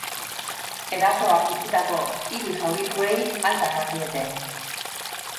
Erasoak utzitako hiru zaurituei alta eman diete.